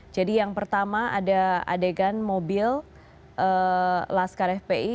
yang pertama ada adegan mobil laskar fpi